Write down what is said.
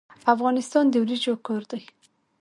افغانستان د وریجو کور دی.